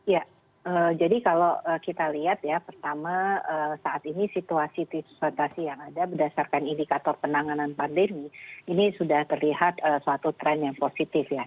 ya jadi kalau kita lihat ya pertama saat ini situasi yang ada berdasarkan indikator penanganan pandemi ini sudah terlihat suatu tren yang positif ya